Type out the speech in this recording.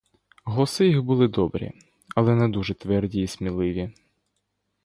Голоси їх були добрі, але не дуже тверді й сміливі.